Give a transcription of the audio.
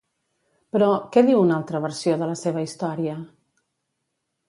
Però, què diu una altra versió de la seva història?